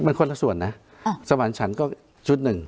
มันคนละส่วนนะสมานฉันก็ชุดหนึ่ง